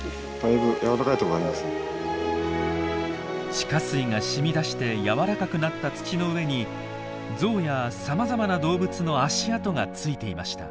地下水がしみ出して柔らかくなった土の上にゾウやさまざまな動物の足跡がついていました。